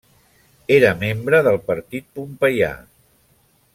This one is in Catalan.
Era membre del partit pompeià.